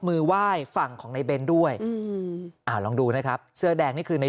มือไหว้ฝั่งของในเบ้นด้วยอืมอ่าลองดูนะครับเสื้อแดงนี่คือใน